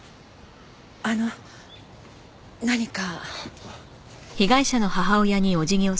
あの何か？